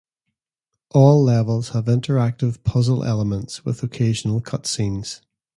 All levels have interactive puzzle elements with occasional cutscenes.